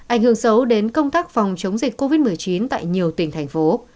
ảnh hưởng xấu đến công tác phòng chống dịch covid một mươi chín tại nhiều tỉnh thành phố